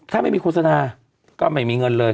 ถ้าไม่มีโฆษณาก็ไม่มีเงินเลย